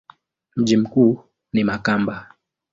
Mji mkuu ni Makamba.